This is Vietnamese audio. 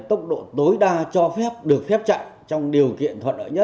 tốc độ tối đa cho được phép chạy trong điều kiện thuận ở nhất